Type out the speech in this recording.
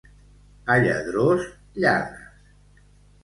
A Lladrós, lladres.